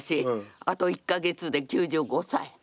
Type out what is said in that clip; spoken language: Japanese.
あと１か月で９５歳。